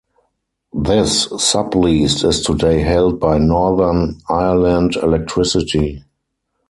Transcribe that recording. This subleased is today held by Northern Ireland Electricity.